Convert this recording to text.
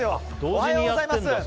おはようございます。